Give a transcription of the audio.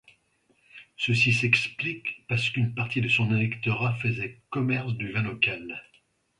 Ceci s'explique parce qu'une partie de son électorat faisait commerce du vin local.